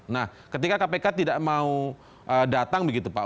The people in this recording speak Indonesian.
nah ketika kpk tidak mau datang begitu pak